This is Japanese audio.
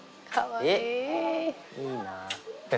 いいな。